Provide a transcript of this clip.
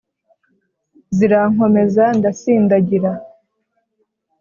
zirankomeza ndasindagira